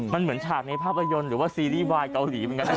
มันเหมือนฉากในภาพยนตร์หรือว่าซีรีส์วายเกาหลีเหมือนกันนะ